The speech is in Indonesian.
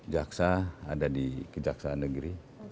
jaksa ada di kejaksaan negeri